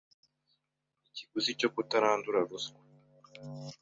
Ikiguzi cyo kutarandura ruswa